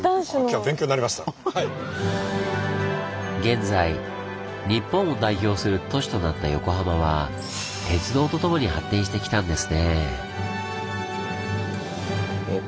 現在日本を代表する都市となった横浜は鉄道と共に発展してきたんですねぇ。